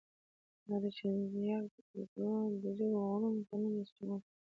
دا د شینجیانګ د جګو غرونو په نوم رستورانت و.